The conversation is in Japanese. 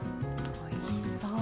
おいしそう！